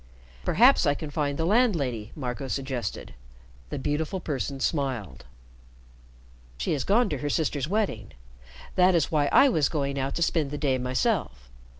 "Perhaps I can find the landlady," Marco suggested. The beautiful person smiled. "She has gone to her sister's wedding. That is why I was going out to spend the day myself.